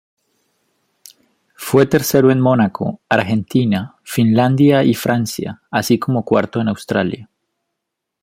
Fue tercero en Mónaco, Argentina, Finlandia y Francia, así como cuarto en Australia.